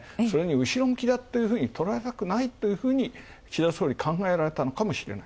それに後ろ向きだととらえられたくないというふうに岸田総理が考えたのかも。